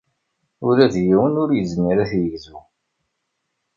Ula d yiwen ur yezmir ad t-yegzu.